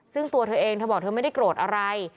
ซึ่งตัวเธอเองเธอบอกเธอไม่ได้โกรธอะไร